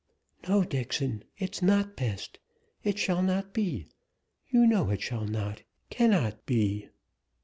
"No, Dixon, it's not best. It shall not be. You know it shall not cannot be."